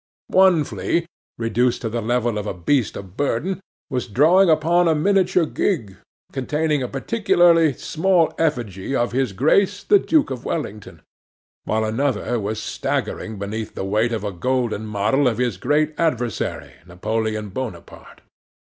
One flea, reduced to the level of a beast of burden, was drawing about a miniature gig, containing a particularly small effigy of His Grace the Duke of Wellington; while another was staggering beneath the weight of a golden model of his great adversary Napoleon Bonaparte.